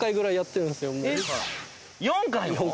４回も？